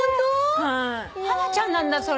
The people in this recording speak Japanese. ハナちゃんなんだそれ。